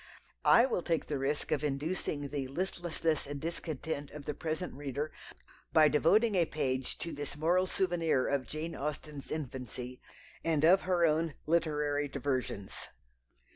I will take the risk of inducing the "listlessness and discontent" of the present reader by devoting a page to this moral souvenir of Jane Austen's infancy and of her own literary diversions.